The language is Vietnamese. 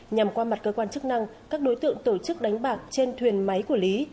nhằm qua mặt cơ quan chức năng các đối tượng tổ chức đánh bạc trên thuyền máy của lý